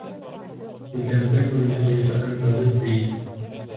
إن لم تكن معي فأنت ضدي.